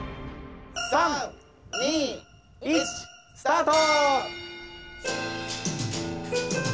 ３２１スタート！